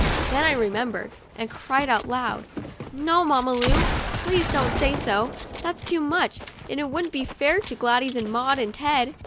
Then I remembered, and I cried out loud: " No, Mamma Lu, please don't say so ! That's too much, and it would'nt be fair to Gladys and Maud and Ted.